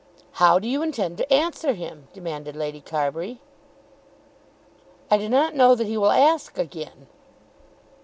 "How do you intend to answer him?" demanded Lady Carbury. "I do not know that he will ask again."